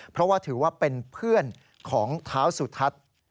เพราะว่าถือว่าเป็นเพื่อนของเท้าสุทัศน์